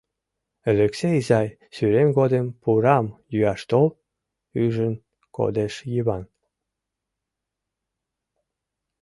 — Элексей изай, сӱрем годым пурам йӱаш тол, — ӱжын кодеш Йыван.